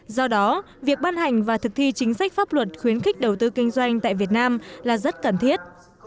do đó việc ban hành và thực thi chính sách pháp luật khuyến khích đầu tư kinh doanh tại việt nam là rất cần thiết